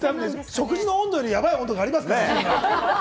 食事の温度よりやばいことありますから。